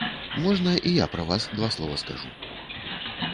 Можна і я пра вас два слова скажу?